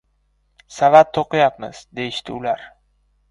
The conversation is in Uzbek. — “Savat to‘qiyapmiz”, — deyishibdi ular.